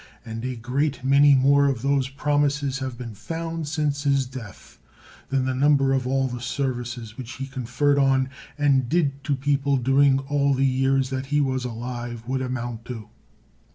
And a great many more of those promises have been found since his death, than the number of all the services which he conferred on and did to people during all the years that he was alive would amount to.